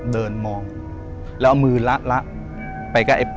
เดินมองแล้วเอามือละไปกับ